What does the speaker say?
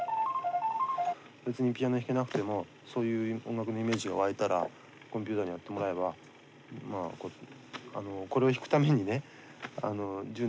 別にピアノ弾けなくてもそういう音楽のイメージが湧いたらコンピューターにやってもらえばまあこれを弾くためにね１０年も２０年も練習する必要はないわけでしょ？